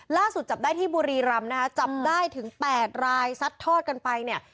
ล่าสุดจับได้ที่บุรีรำนะครับจับได้ถึง๘รายซัดโทษกันไปเนี่ย